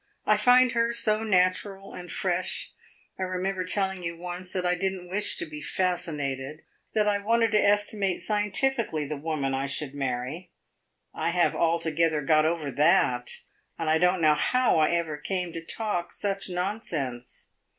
I find her so natural and fresh. I remember telling you once that I did n't wish to be fascinated that I wanted to estimate scientifically the woman I should marry. I have altogether got over that, and I don't know how I ever came to talk such nonsense.